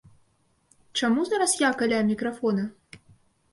Чаму зараз я каля мікрафона?